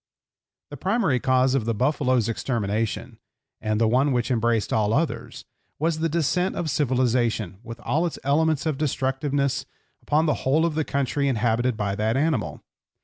The primary cause of the buffalo's extermination, and the one which embraced all others, was the descent of civilization, with all its elements of destructiveness, upon the whole of the country inhabited by that animal.